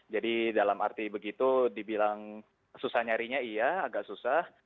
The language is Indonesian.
jadi dalam arti begitu dibilang susah nyarinya iya agak susah